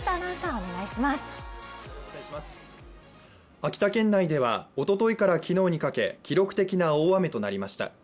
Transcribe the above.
秋田県内ではおとといから昨日にかけ記録的な大雨となりました。